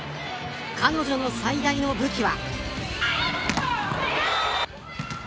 彼女の最大の武器は。